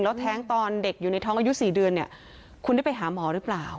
แล้วแท้งตอนเด็กอยู่ในท้องอายุ๔เดือนเนี่ยคุณได้ไปหาหมอหรือเปล่า